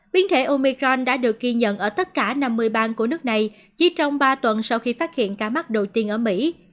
biến thể omecron đã được ghi nhận ở tất cả năm mươi bang của nước này chỉ trong ba tuần sau khi phát hiện ca mắc đầu tiên ở mỹ